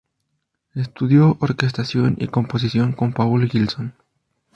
Estudió orquestación y composición con Paul Gilson.